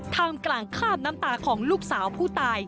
ท่ามกลางคาดน้ำตาของลูกสาวผู้ตาย